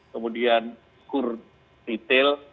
kemudian kur detail